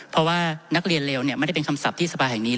เพราะว่านักเรียนเลวไม่ได้เป็นคำศัพท์ที่สภาแห่งนี้